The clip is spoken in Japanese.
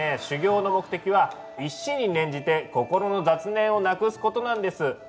修行の目的は一心に念じて心の雑念をなくすことなんです。